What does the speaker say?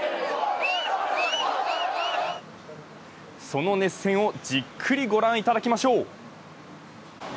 その熱戦をじっくりご覧いただきましょう。